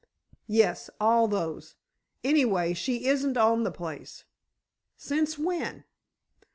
"Yes; all those. Anyway, she isn't on the place." "Since when?"